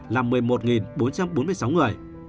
là một mươi một bốn trăm bốn mươi sáu người